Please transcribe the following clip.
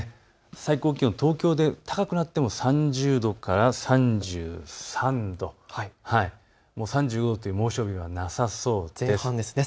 最高気温、東京で高くなっても３０度から３３度、３５度という猛暑日はなさそうです。